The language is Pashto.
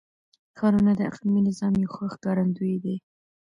ښارونه د اقلیمي نظام یو ښه ښکارندوی دی.